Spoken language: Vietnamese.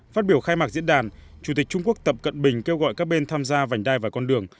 phát biểu khai mạc diễn đàn chủ tịch trung quốc tập cận bình kêu gọi các bên tham gia vành đai và con đường